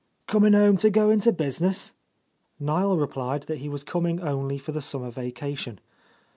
"Coming home to go into business?" Niel replied that he was coming only for the summer vacation.